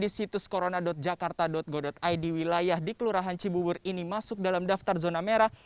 di situs corona jakarta go id wilayah di kelurahan cibubur ini masuk dalam daftar zona merah